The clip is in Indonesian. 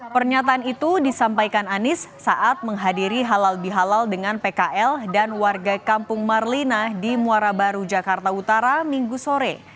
pernyataan itu disampaikan anies saat menghadiri halal bihalal dengan pkl dan warga kampung marlina di muara baru jakarta utara minggu sore